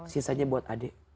sisanya buat adik